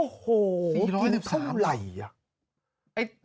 โอ้โหกินเท่าไหร่อ่ะโอ้โห๔๑๓